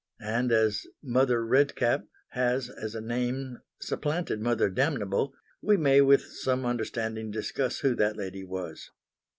And as Mother Red Cap has as a name supplanted Mother Damnable, we may with some understanding discuss who that lady was.